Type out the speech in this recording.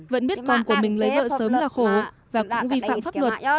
vẫn biết con của mình lấy vợ sớm là khổ và cũng vi phạm pháp luật